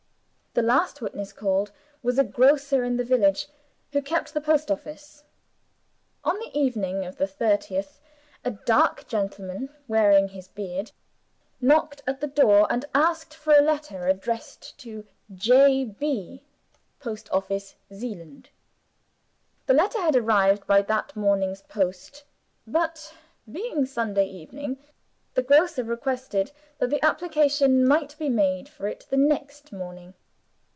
The last witness called was a grocer in the village, who kept the post office. On the evening of the 30th, a dark gentleman, wearing his beard, knocked at the door, and asked for a letter addressed to "J. B., Post office, Zeeland." The letter had arrived by that morning's post; but, being Sunday evening, the grocer requested that application might be made for it the next morning.